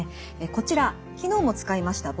こちら昨日も使いました